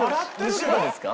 虫歯ですか？